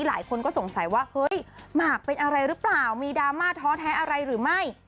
หลายคนก็สงสัยว่าเฮ้ยหมากเป็นอะไรหรือเปล่ามีดราม่าท้อแท้อะไรหรือไม่